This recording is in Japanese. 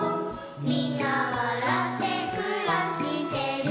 「みんなわらってくらしてる」